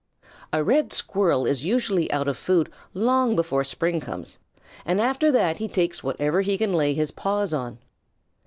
A Red Squirrel is usually out of food long before spring comes, and after that he takes whatever he can lay his paws on.